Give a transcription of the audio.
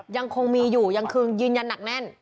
ยังคงมีอยู่ยังคงยืนยันหนักแน่น